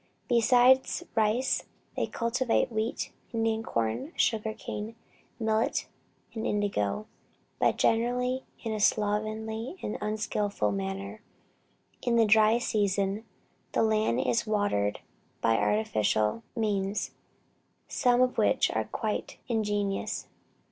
Besides rice, they cultivate wheat, Indian corn, sugar cane, millet and indigo; but generally in a slovenly and unskilful manner. In the dry season, the land is watered by artificial means, some of which are quite ingenious.